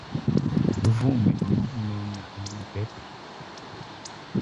Luvumbi ludi anu lulonga lupepele.